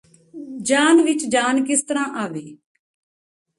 ਜਾਨ ਵਿੱਚ ਜਾਨ ਕਿਸ ਤਰ੍ਹਾਂ ਆਵੇ